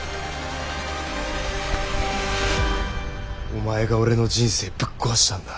お前が俺の人生ぶっ壊したんだ。